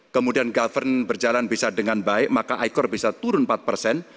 kemudian govern berjalan bisa dengan baik maka ikor bisa turun empat persen